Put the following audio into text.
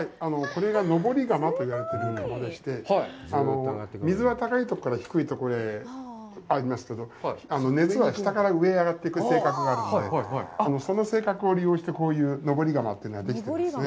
これが登り窯と言われてる窯でして、水は高いところから低いところに行きますが、熱は下から上へ上がっていく性格があるので、その性格を利用してこういう登り窯というのができているんですね。